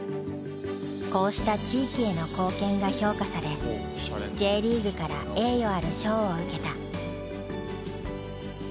こうした地域への貢献が評価されＪリーグから栄誉ある賞を受けた。